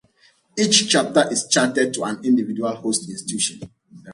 Each chapter is chartered to an individual host institution.